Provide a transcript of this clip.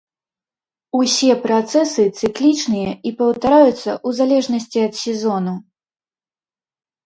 Усе працэсы цыклічныя і паўтараюцца ў залежнасці ад сезону.